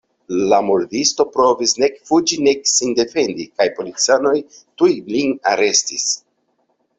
La murdisto provis nek fuĝi nek sin defendi kaj policanoj tuj lin arestis.